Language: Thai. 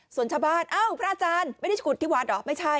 ส่วนชาวบ้านเอ้าพระอาจารย์ไม่ได้ขุดที่วัดเหรอไม่ใช่